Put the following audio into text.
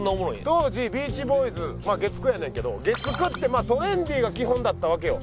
当時『ビーチボーイズ』月９やねんけど月９ってトレンディーが基本だったわけよ。